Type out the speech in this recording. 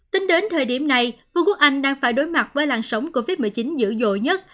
tính đến thời điểm này vương quốc anh đang phải đối mặt với làn sóng covid một mươi chín dữ dội nhất